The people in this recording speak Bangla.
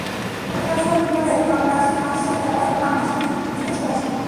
তবে প্রশাসন হলে তল্লাশির আশ্বাস দেওয়ায় আমরা সেখান থেকে চলে আসি।